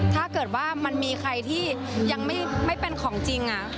ถ้าเกิดว่ามันมีใครที่ยังไม่เป็นของจริง